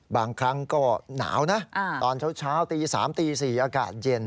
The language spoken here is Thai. บางครั้งก็หนาวนะตอนเช้าตี๓ตี๔อากาศเย็น